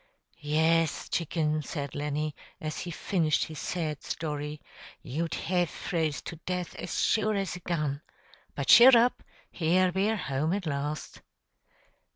"Yes, chicken," said Lenny, as he finished his sad story, "you'd hev froze to death as sure as a gun. But cheer up; here we're home at last."